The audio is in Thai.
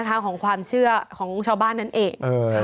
เป็นทางของความเชื่อของชาวบ้านนั้นเอง